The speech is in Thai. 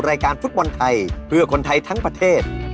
รายการฟุตบอลไทยเพื่อคนไทยทั้งประเทศ